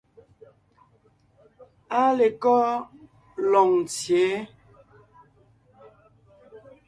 Áa lekɔ́ Loŋtsyě?